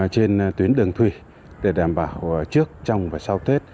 trên tuyến đường thủy để đảm bảo trước trong và sau tết